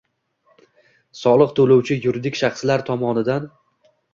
Soliq to‘lovchi-yuridik shaxslar tomonidan